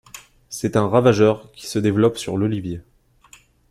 C'est un ravageur qui se développe sur l'olivier.